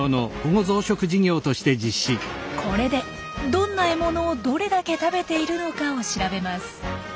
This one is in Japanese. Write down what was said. これでどんな獲物をどれだけ食べているのかを調べます。